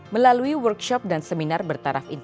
melalui workshop dan seminar bertaraf ini